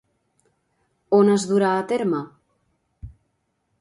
On es durà a terme?